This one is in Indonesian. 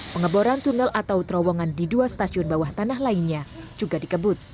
pengeboran tunnel atau terowongan di dua stasiun bawah tanah lainnya juga dikebut